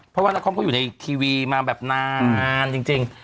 เพราะว่านครก็อยู่ในทีวีมาแบบนานจริง